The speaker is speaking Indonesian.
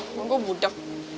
emang gue budak